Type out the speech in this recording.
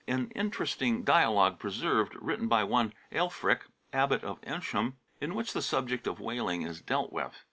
HUNTING OF WHALES 113 interesting dialogue preserved, written by one Aelfric, Abbot of Ensham, in which the subject of whaling is dealt with.